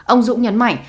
ông dũng nhấn mạnh